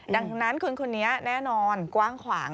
ดังนั้นคนนี้แน่นอนกว้างขวาง